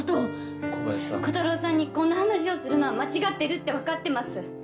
コタローさんにこんな話をするのは間違ってるってわかってます。